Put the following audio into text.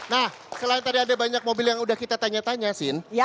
nah selain tadi ada banyak mobil yang udah kita tanya tanya scene